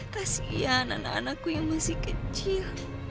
kasian anak anakku yang masih kecil